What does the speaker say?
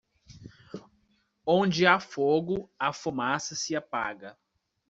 Onde há fogo, a fumaça se apaga.